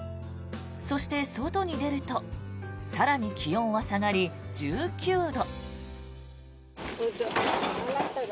そして外に出ると更に気温は下がり１９度。